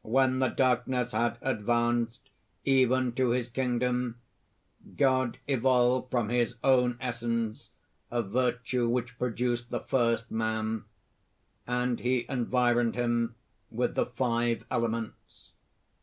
"When the darkness had advanced even to his kingdom, God evolved from his own essence a virtue which produced the first man; and he environed him with the five elements.